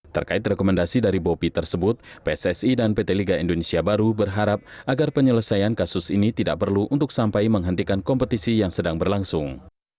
terkait rekomendasi dari bopi tersebut pssi dan pt liga indonesia baru berharap agar penyelesaian kasus ini tidak perlu untuk sampai menghentikan kompetisi yang sedang berlangsung